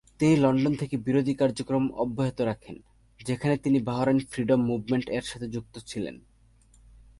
তিনি লন্ডন থেকে বিরোধী কার্যক্রম অব্যাহত রাখেন, যেখানে তিনি বাহরাইন ফ্রিডম মুভমেন্ট এর সাথে যুক্ত ছিলেন।